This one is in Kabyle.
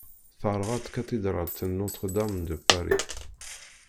Terɣa tkatidralt n Notre-Dame de Paris.